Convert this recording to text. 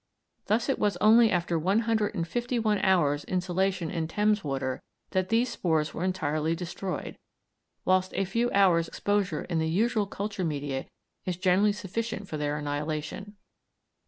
Thus it was only after one hundred and fifty one hours' insolation in Thames water that these spores were entirely destroyed, whilst a few hours' exposure in the usual culture media is generally sufficient for their annihilation.